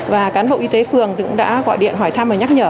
và cán bộ y tế phường cũng đã gọi điện hỏi thăm và nhắc nhở